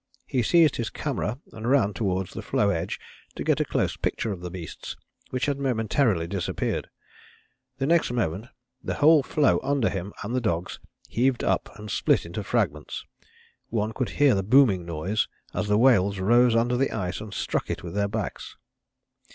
He seized his camera and ran towards the floe edge to get a close picture of the beasts, which had momentarily disappeared. The next moment the whole floe under him and the dogs heaved up and split into fragments. One could hear the booming noise as the whales rose under the ice and struck it with their backs.